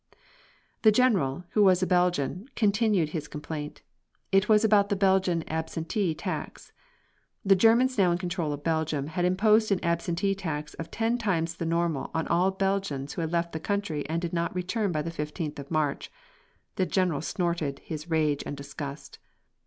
The general, who was a Belgian, continued his complaint. It was about the Belgian absentee tax. The Germans now in control in Belgium had imposed an absentee tax of ten times the normal on all Belgians who had left the country and did not return by the fifteenth of March. The general snorted his rage and disgust.